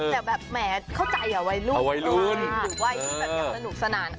แต่แบบแหมเข้าใจวัยรุ่นหรือวัยที่แบบอยากสนุกสนาน